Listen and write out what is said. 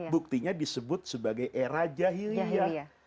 buktinya disebut sebagai era jahiliyah